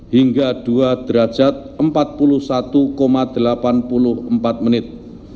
hingga dua derajat empat puluh satu delapan puluh empat menit